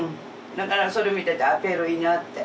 だからそれ見ててあっピエロいいなあって。